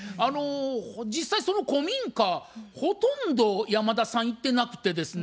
実際その古民家ほとんど山田さん行ってなくてですね